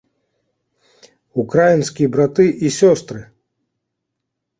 Украінскія браты й сёстры!